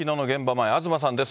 前、東さんです。